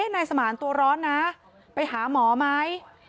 นายสมานตัวร้อนนะไปหาหมอไหม